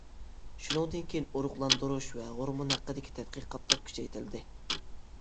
شۇنىڭدىن كېيىن ئۇرۇقلاندۇرۇش ۋە ھورمۇن ھەققىدىكى تەتقىقاتلار كۈچەيتىلدى.